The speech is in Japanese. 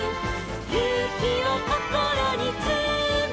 「ゆうきをこころにつめて」